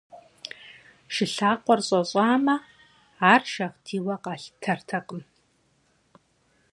Шы лъакъуэр щӀэщӀамэ, ар шагъдийуэ къалъытэртэкъым.